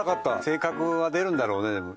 性格は出るんだろうねでも。